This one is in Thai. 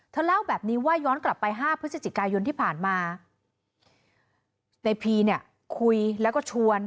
เล่าแบบนี้ว่าย้อนกลับไปห้าพฤศจิกายนที่ผ่านมาในพีเนี่ยคุยแล้วก็ชวน